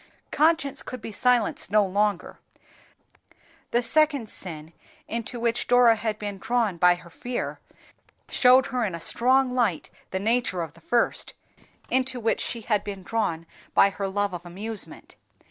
Conscience could be silenced no longer; the second sin into which Dora had been drawn by her fear showed her in a strong light the nature of the first, into which she had been drawn by her love of amusement.